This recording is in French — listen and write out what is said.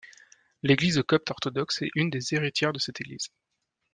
L'Église copte orthodoxe est une des héritières de cette Église.